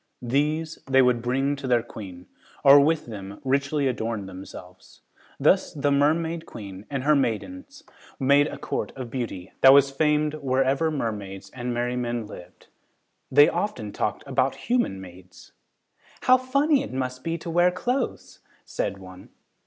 These they would bring to their queen, or with them richly adorn themselves. Thus the Mermaid Queen and her maidens made a court of beauty that was famed wherever mermaids and merrymen lived. They often talked about human maids. "How funny it must be to wear clothes," said one.